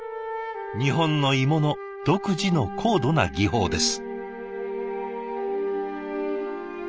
日本の鋳物独自の高度な技法です。